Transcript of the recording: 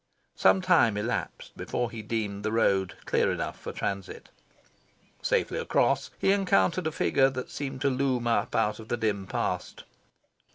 Some time elapsed before he deemed the road clear enough for transit. Safely across, he encountered a figure that seemed to loom up out of the dim past.